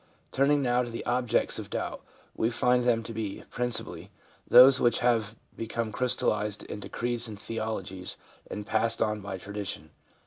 Turning now to the objects of doubt, we find them to be, principally, those things which have become crystallised into creeds and theologies and passed on by tradition.